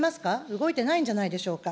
動いてないんじゃないでしょうか。